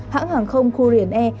hãng hàng không korean air